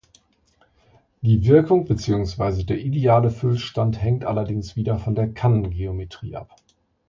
Die Wirkung beziehungsweise der ideale Füllstand hängt allerdings wieder von der Kannen-Geometrie ab.